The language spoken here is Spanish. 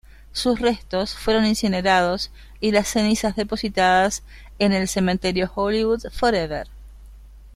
Sus restos fueron incinerados, y las cenizas depositadas en el Cementerio Hollywood Forever.